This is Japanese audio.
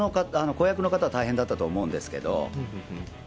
子役の方は大変だったと思うんですけど。